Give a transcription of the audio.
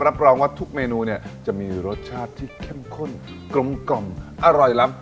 รับรองว่าทุกเมนูเนี่ยจะมีรสชาติที่เข้มข้นกลมอร่อยล้ำ